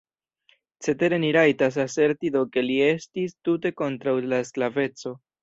Cetere ni rajtas aserti do ke li estis tute kontraŭ la sklaveco.